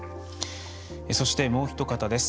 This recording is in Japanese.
そして、もうひと方です。